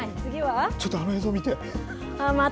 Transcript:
ちょっと、あの映像見て。